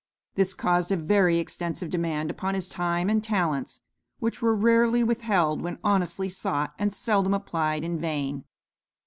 This caused a very extensive demand upon his time and talents, which were rarely withheld when honestly sought, and seldom applied in vain.